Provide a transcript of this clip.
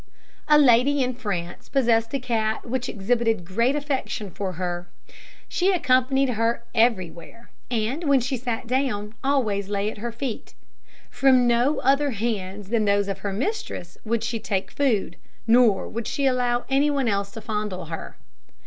A lady in France possessed a cat which exhibited great affection for her. She accompanied her everywhere, and when she sat down always lay at her feet. From no other hands than those of her mistress would she take food, nor would she allow any one else to fondle her.